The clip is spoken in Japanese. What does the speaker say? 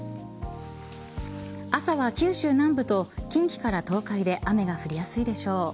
朝は九州南部と近畿から東海で雨が降りやすいでしょう。